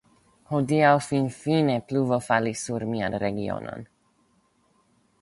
Hodiaŭ, finfine, pluvo falis sur mian regionon.